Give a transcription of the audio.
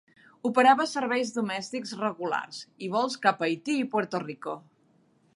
Operava serveis domèstics regulars i vols cap a Haití i Puerto Rico.